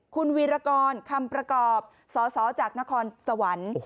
คุณวีรกรคำประกอบสสจากนครสวรรค์